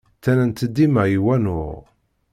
Ttarran-tt dima i wanuɣ.